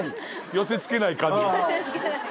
寄せ付けない感じ。